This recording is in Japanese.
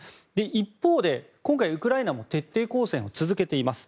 一方で今回、ウクライナも徹底抗戦を続けています。